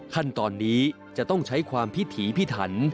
ขั้นตอนนี้จะต้องใช้ความพิถีพิถัน